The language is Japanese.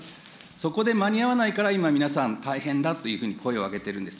そこで間に合わないから、今、皆さん、大変だというふうに声を上げてるんです。